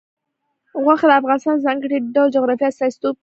غوښې د افغانستان د ځانګړي ډول جغرافیه استازیتوب کوي.